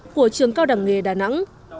của trường cao đẳng nghề đà nẵng